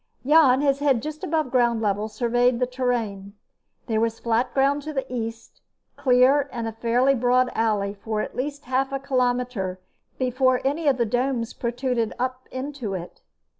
Jan, his head just above ground level, surveyed the terrain. There was flat ground to the east, clear in a fairly broad alley for at least half a kilometer before any of the domes protruded up into it.